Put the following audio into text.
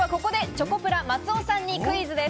チョコプラ・松尾さんにクイズです。